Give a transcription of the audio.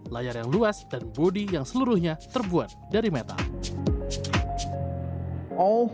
layar yang luas dan bodi yang seluruhnya terbuat dari metal